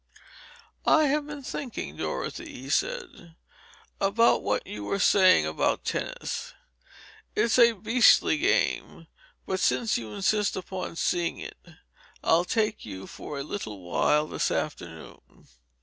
"I have been thinking, Dorothy," he said, "about what you were saying about tennis. It's a beastly game, but since you insist upon seeing it I'll take you for a little while this afternoon."